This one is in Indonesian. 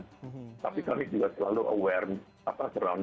tapi kami juga selalu aware